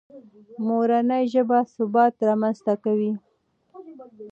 مورنۍ ژبه ثبات رامنځته کوي.